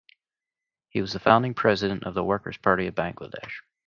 He was the founding president of the Workers Party of Bangladesh.